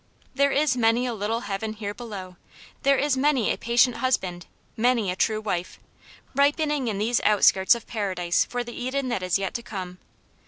There is many a little heaven here below ; there is many a patient husband, many a true wife, ripen ing in these outskirts of Paradise for the Eden that IS yet to come.